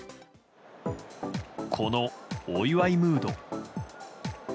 この、お祝いムード。